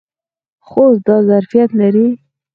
خوست دا ظرفیت لري.